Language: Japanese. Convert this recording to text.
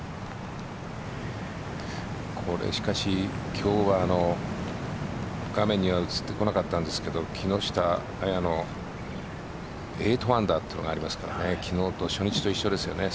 今日は画面には映ってこなかったんですが木下彩の８アンダーというのがありますから昨日、初日と一緒ですよね。